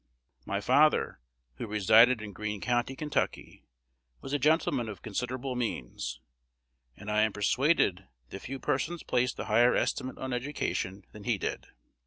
My father, who resided in Green County, Kentucky, was a gentleman of considerable means; and I am persuaded that few persons placed a higher estimate on education than he did.